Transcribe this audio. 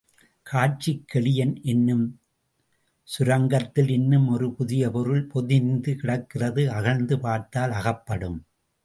காட்சிக்கு எளியன் என்னும் சுரங்கத்தில் இன்னும் ஒரு புதிய பொருள் பொதிந்து கிடக்கிறது அகழ்ந்து பார்த்தால் அகப்படும்.